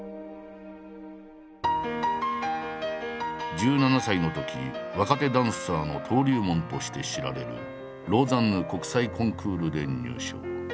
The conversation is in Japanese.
１７歳のとき若手ダンサーの登竜門として知られるローザンヌ国際コンクールで入賞。